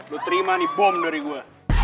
lu terima nih bom dari gua